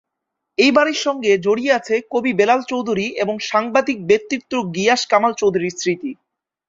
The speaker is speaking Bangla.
এই বাড়ির সঙ্গে জড়িয়ে আছে কবি বেলাল চৌধুরী এবং সাংবাদিক ব্যক্তিত্ব গিয়াস কামাল চৌধুরীর স্মৃতি।